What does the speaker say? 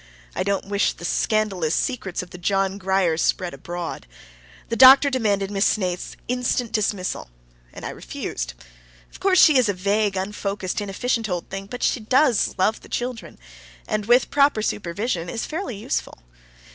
I don't wish the scandalous secrets of the John Grier spread abroad. The doctor demanded Miss Snaith's instant dismissal, and I refused. Of course she is a vague, unfocused, inefficient old thing, but she does love the children, and with proper supervision is fairly useful.